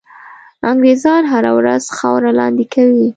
انګرېزان هره ورځ خاوره لاندي کوي.